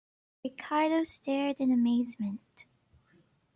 Ricardo stared in amazement.